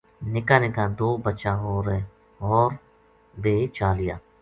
نِکا نِکا دو بچا ہو ر بے چالیا